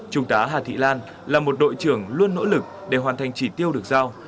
trung tá hà thị lan là một đội trưởng luôn nỗ lực để hoàn thành chỉ tiêu được giao